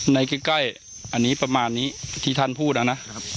ใกล้อันนี้ประมาณนี้ที่ท่านพูดนะครับ